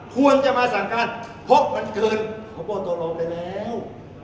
ควรจะมาสั่งการพกมันคืนเขาก็ตัวเราไปแล้ว